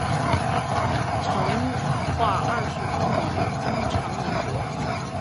成化二十一年封长宁伯。